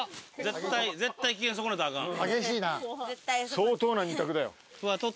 相当な２択だよ。